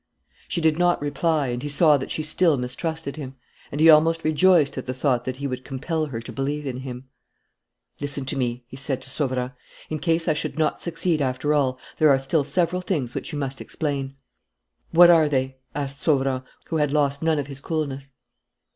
She did not reply and he saw that she still mistrusted him. And he almost rejoiced at the thought that he would compel her to believe in him. "Listen to me," he said to Sauverand. "In case I should not succeed after all, there are still several things which you must explain." "What are they?" asked Sauverand, who had lost none of his coolness.